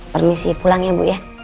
permisi pulang ya bu ya